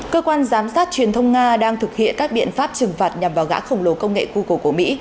cơ quan giám sát truyền thông nga đang thực hiện các biện pháp trừng phạt nhằm vào gã khổng lồ công nghệ google của mỹ